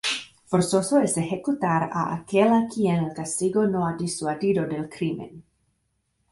Forzoso es ejecutar a aquel a quien el castigo no ha disuadido del crimen.